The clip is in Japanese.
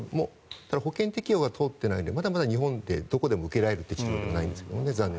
ただ、保険適用が通っていないのでまだまだ日本でどこでも受けられる治療ではないんですね。